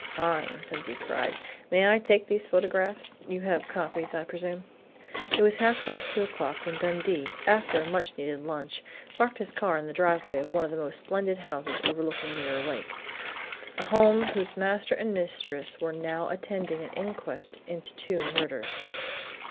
"Fine!" Dundee cried. "May I take these photographs?... You have copies, I presume?" It was half past two o'clock when Dundee, after a much needed lunch, parked his car in the driveway of one of the most splendid houses overlooking Mirror Lake a home whose master and mistress were now attending an inquest into two murders....